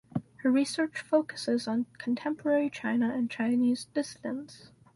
Her research focuses on contemporary China and Chinese dissidents.